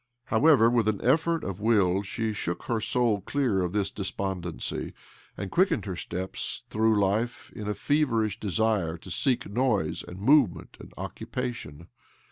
However, with an effort of will she shook her soul clear of this despon dency, and quickened her steps through Ufe in a feverish desire to seek noise and move ment and occupation.